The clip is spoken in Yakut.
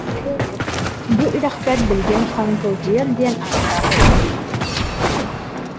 Бу үрэхтэр билигин Хаҥкылдьыйар диэн ааттаахтар